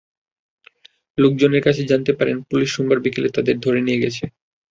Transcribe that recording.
লোকজনের কাছে জানতে পারেন, পুলিশ সোমবার বিকেলে তাঁকে ধরে নিয়ে গেছে।